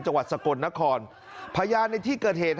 จังหวัดสกลนครพยานในที่เกิดเหตุ